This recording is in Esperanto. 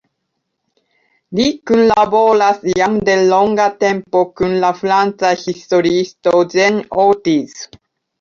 Li kunlaboras jam de longa tempo kun la franca historiisto Jean Ortiz.